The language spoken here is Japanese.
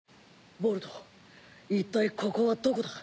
ボルトいったいここはどこだ？